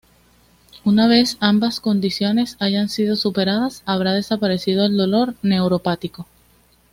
Una vez ambas condiciones hayan sido superadas, habrá desaparecido el dolor neuropático.